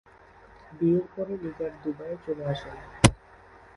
বিয়ের পরে নিগার দুবাইয়ে চলে আসেন।